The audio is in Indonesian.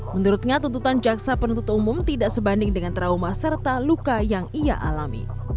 menurutnya tuntutan jaksa penuntut umum tidak sebanding dengan trauma serta luka yang ia alami